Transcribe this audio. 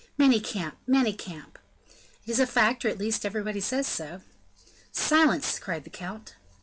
"Manicamp! Manicamp!" "It is a fact, or at least, everybody says so." "Silence!" cried the count.